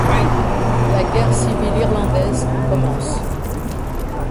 La guerre civile irlandaise commence.